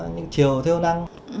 những chiều thiêu năng